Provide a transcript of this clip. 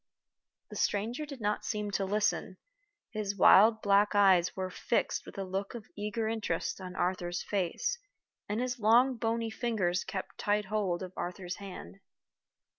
The stranger did not seem to listen. His wild black eyes were fixed with a look of eager interest on Arthur's face, and his long bony fingers kept tight hold of Arthur's hand.